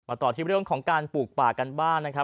ต่อที่เรื่องของการปลูกป่ากันบ้างนะครับ